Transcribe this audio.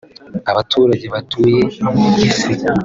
Abaturage batuye isi